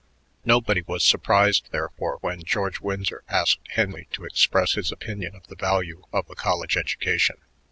Nobody was surprised, therefore, when George Winsor asked Henley to express his opinion of the value of a college education.